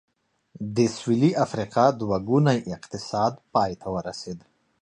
د سوېلي افریقا دوه ګونی اقتصاد پای ته ورسېد.